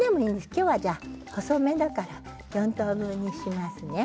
今日は細めだから４等分にしますね。